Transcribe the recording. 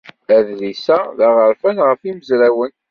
Adlis-a d aɣerfan ɣer yimezrawen.